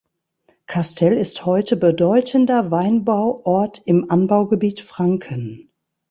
Castell ist heute bedeutender Weinbauort im Anbaugebiet Franken.